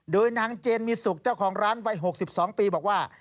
โดยนางเจนมีสุขเจ้าของร้านวัย๖๒ปีบอกว่า